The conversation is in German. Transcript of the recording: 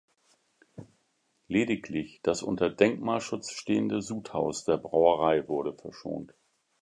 Lediglich das unter Denkmalschutz stehende Sudhaus der Brauerei wurde verschont.